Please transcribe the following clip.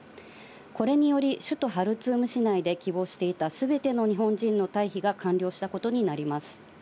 これにより首都ハルツーム市内で希望していた全ての日本人の退避が完了したことになります。